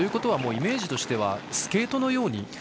イメージとしてはスケートのように。